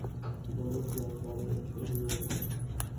বল কী, আজ বারো বৎসর হইয়া গেল।